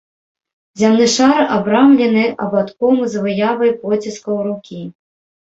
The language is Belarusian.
Зямны шар абрамлены абадком з выявай поціскаў рукі.